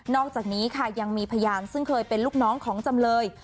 อกจากนี้ค่ะยังมีพยานซึ่งเคยเป็นลูกน้องของจำเลย